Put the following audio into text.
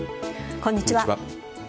こんにちは。